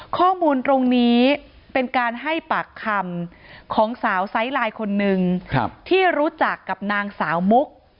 ข้อมูลตรงนี้เป็นการให้ปากคำของสาวไซส์ไลน์คนนึงที่รู้จักกับนางสาวมุก